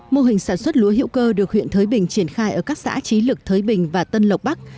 mô hình sản xuất lúa hữu cơ được huyện thới bình triển khai ở các xã trí lực thới bình và tân lộc bắc